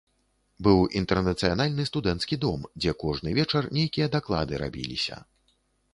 Быў інтэрнацыянальны студэнцкі дом, дзе кожны вечар нейкія даклады рабіліся.